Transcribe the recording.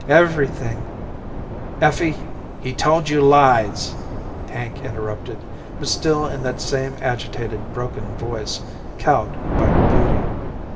Everything " "Effie, he told you lies!" Hank interrupted, but still in that same agitated, broken voice, cowed by her beauty.